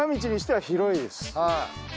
はい。